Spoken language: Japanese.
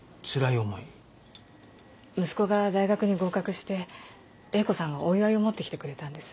息子が大学に合格して栄子さんがお祝いを持ってきてくれたんです。